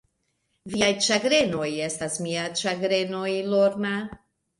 Viaj ĉagrenoj estas miaj ĉagrenoj, Lorna.